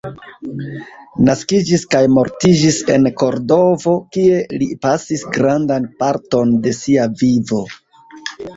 Naskiĝis kaj mortiĝis en Kordovo, kie li pasis grandan parton de sia vivo.